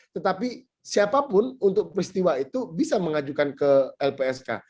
tetapi siapapun untuk peristiwa itu bisa mengajukan ke lpsk